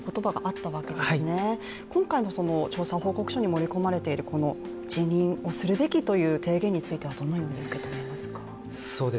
今回の調査報告書に盛り込まれている辞任するべきという提言についてはどのように受け止めますか？